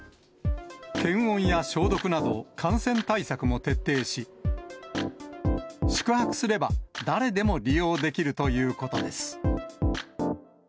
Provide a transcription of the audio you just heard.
検温や消毒など、感染対策も徹底し、宿泊すれば、誰でも利用できるということです。